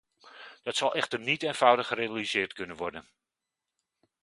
Dat zal echter niet eenvoudig gerealiseerd kunnen worden.